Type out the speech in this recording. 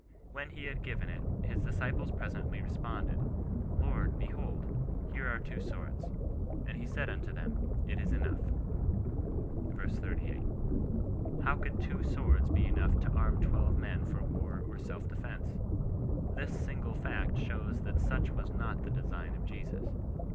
When he had given it, his disciples presently responded, —" Lord, behold, here are two swords. And he said unto them. It is enough," ver. 38. How could two swords be enough to arm twelve men for war or self defence ? This single fact shows that such was not the design of Jesus.